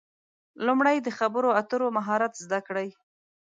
لومړی د خبرو اترو مهارت زده کړئ.